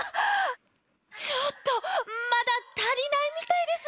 ちょっとまだたりないみたいです。